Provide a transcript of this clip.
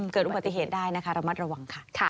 เกิดอุบัติเหตุได้นะคะระมัดระวังค่ะ